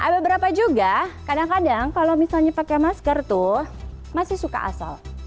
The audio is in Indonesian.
beberapa juga kadang kadang kalau misalnya pakai masker tuh masih suka asal